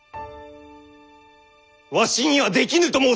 わしにはできぬと申すか。